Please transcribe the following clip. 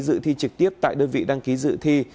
dự thi trực tiếp tại đơn vị đăng ký dự thi